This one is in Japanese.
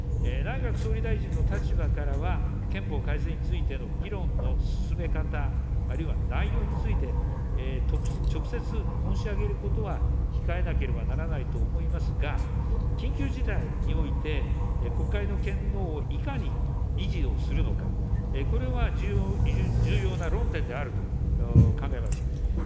内閣総理大臣の立場からは、憲法改正についての議論の進め方、あるいは内容について、直接申し上げることは控えなければならないと思いますが、緊急事態において、国会の権能をいかに維持するのか、これは重要な論点であると考えます。